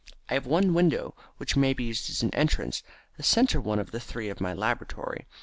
I have one window which may be used as an entrance, the centre one of the three of my laboratory.